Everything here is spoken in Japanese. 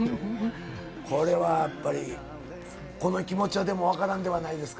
これはやっぱり、この気持ちはでも分からんではないですか。